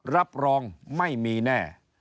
รับรองไม่มีแน่